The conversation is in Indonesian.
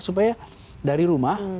supaya dari rumah